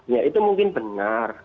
ya itu mungkin benar